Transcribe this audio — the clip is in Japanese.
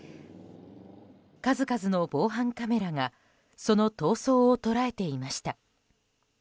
数々の防犯カメラがその逃走を捉えていました。